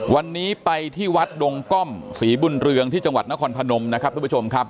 วันนี้ไปที่วัดดงก้อมศรีบุญเรืองที่จังหวัดนครพนมนะครับทุกผู้ชมครับ